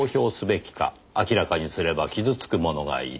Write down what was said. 「明らかにすれば傷つく者がいる」